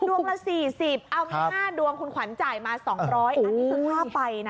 ดวงละ๔๐เอามา๕ดวงคุณขวัญจ่ายมา๒๐๐นี่สักที